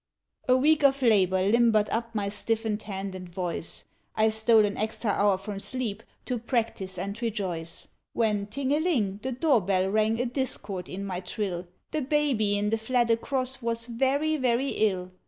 A week of labor limbered up my stiffened hand and voice, I stole an extra hour from sleep, to practice and rejoice; When, ting a ling, the door bell rang a discord in my trill The baby in the flat across was very, very ill.